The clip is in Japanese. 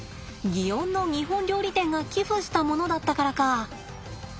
園の日本料理店が寄付したものだったからか。